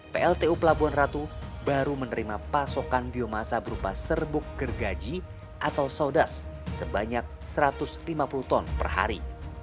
pltu pelabuhan ratu baru menerima pasokan biomasa berupa serbuk gergaji atau sodas sebanyak satu ratus lima puluh ton per hari